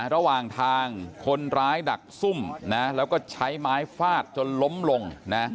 ระหว่างทางคนร้ายดักซุ่มแล้วก็ใช้ไม้ฟาดจนล้มลง